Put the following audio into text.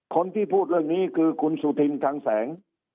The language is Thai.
คนที่พูดเรื่องนี้คือคุณสุธินคังแสง